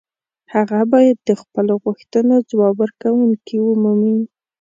هغه باید د خپلو غوښتنو ځواب ورکوونکې ومومي.